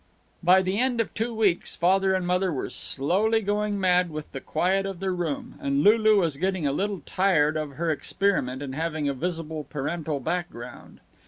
By the end of two weeks Father and Mother were slowly going mad with the quiet of their room, and Lulu was getting a little tired of her experiment in having a visible parental background.